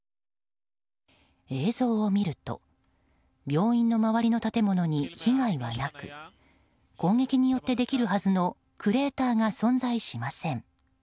映像を見ると病院の周りの建物に被害はなく、攻撃によってできるはずのクレーターが存在しません。